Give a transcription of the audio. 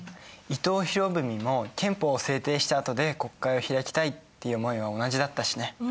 伊藤博文も憲法を制定したあとで国会を開きたいっていう思いは同じだったしね。